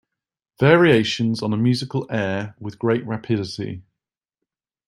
Variations on a musical air With great rapidity.